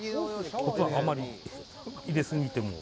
コツはあまり入れ過ぎても。